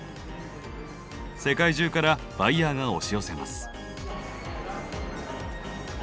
世界中からバイヤーが押し寄せます。